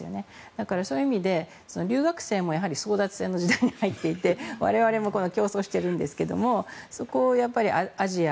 だから、そういう意味で留学生も争奪戦の時代に入っていて我々も競争しているんですけどもそこをアジア